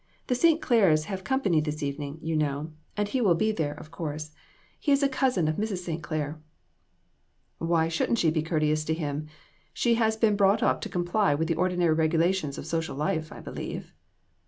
The St. Clairs have company this evening, you know, and he will 288 INTRICACIES. be there, of course. He is a cousin of Mrs. St. Clair." "Why shouldn't she be courteous to him? She has been brought up to comply with the ordinary regulations of social life, I believe."